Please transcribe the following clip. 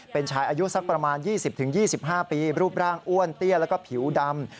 เป็นชายอายุสักประมาณ๒๐๒๕ปีรูปร่างอ้วนเตี้ยแล้วก็ผิวดำ